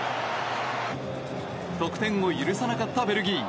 得点を許さなかったベルギー。